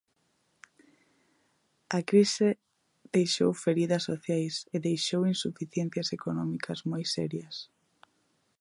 A crise deixou feridas sociais e deixou insuficiencias económicas moi serias.